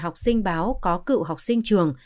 học sinh báo có cựu học sinh trường